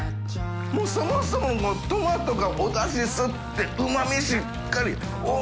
發そもそもトマトがおだし吸ってうま味しっかり。